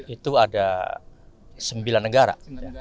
itu ada sembilan negara